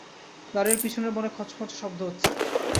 বাড়ির পিছনের বনে খচমচ শব্দ হচ্ছে।